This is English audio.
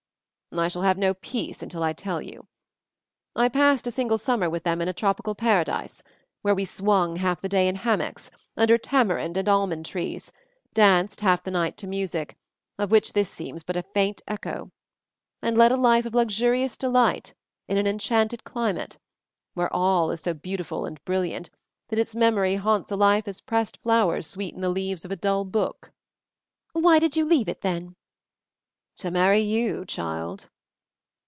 "I shall have no peace until I tell you. I passed a single summer with them in a tropical paradise, where we swung half the day in hammocks, under tamarind and almond trees; danced half the night to music, of which this seems but a faint echo; and led a life of luxurious delight in an enchanted climate, where all is so beautiful and brilliant that its memory haunts a life as pressed flowers sweeten the leaves of a dull book." "Why did you leave it then?" "To marry you, child."